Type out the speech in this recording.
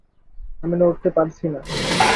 আমি নড়তে পারছি না!